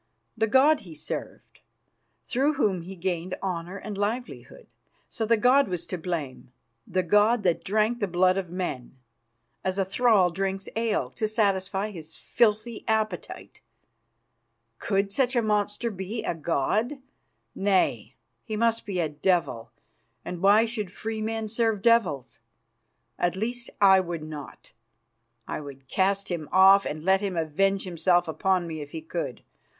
The god he served, through whom he gained honour and livelihood. So the god was to blame, the god that drank the blood of men, as a thrall drinks ale, to satisfy his filthy appetite. Could such a monster be a god? Nay, he must be a devil, and why should free men serve devils? At least, I would not. I would cast him off, and let him avenge himself upon me if he could.